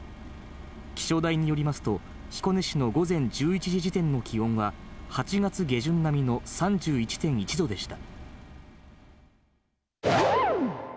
気象台によりますと、彦根市の午前１１時時点の気温は、８月下旬並みの３１．１度でした。